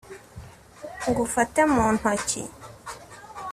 Ngufate muntoki